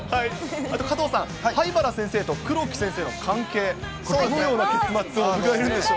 加藤さん、灰谷先生と黒木先生の関係、どのような結末を迎えるんでしょ